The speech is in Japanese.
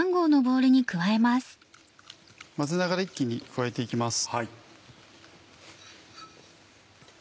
混ぜながら一気に加えて行きます。